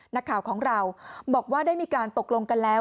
นักข่าวของเราบอกว่าได้มีการตกลงกันแล้ว